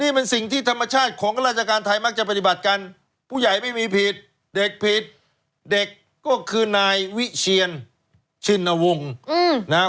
เป็นปุรกสถานนี้เจียนชินวงหมี